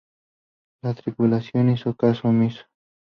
La tripulación hizo caso omiso.